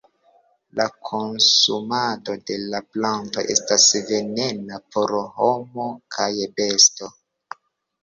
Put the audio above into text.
La konsumado de la planto estas venena por homo kaj besto.